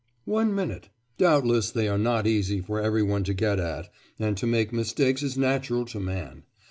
'One minute. Doubtless they are not easy for every one to get at, and to make mistakes is natural to man.